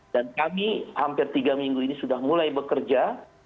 dan kami hampir tiga minggu ini sudah mulai bekerja